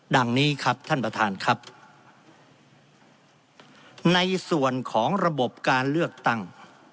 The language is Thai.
ดังนี้ครับท่านประธานครับในส่วนของระบบการเลือกตั้ง